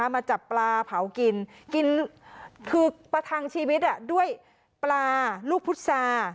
มาจับปลาเผากินคือประทางชีวิตด้วยปลาลูกพุทธศาสตร์